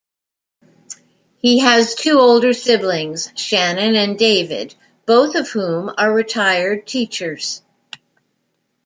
He has two older siblings, Shannon and David, both of whom are retired teachers.